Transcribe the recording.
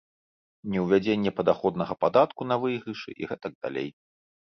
Неўвядзенне падаходнага падатку на выйгрышы і гэтак далей.